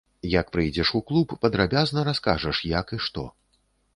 Як прыйдзеш у клуб, падрабязна раскажаш, як і што.